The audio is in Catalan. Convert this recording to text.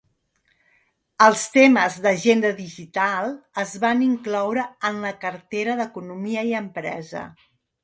Els temes d'Agenda Digital es van incloure en la cartera d'Economia i Empresa.